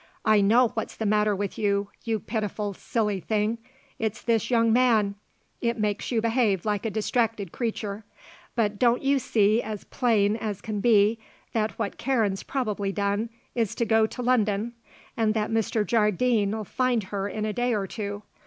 I know what's the matter with you, you pitiful, silly thing; it's this young man; it makes you behave like a distracted creature. But don't you see as plain as can be that what Karen's probably done is to go to London and that Mr. Jardine'll find her in a day or two.